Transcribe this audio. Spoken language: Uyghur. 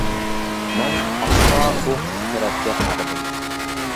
مەن ئاستا ئۇ قىز تەرەپكە قارىدىم.